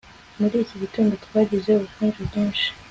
muri iki gitondo twagize ubukonje bwinshi